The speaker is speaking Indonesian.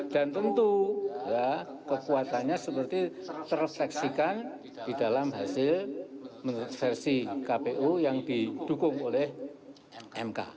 dan tentu ya kekuatannya seperti terseksikan di dalam hasil versi kpu yang didukung oleh mk